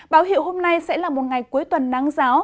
báo hiệu hôm nay sẽ là một ngày cuối tuần nắng giáo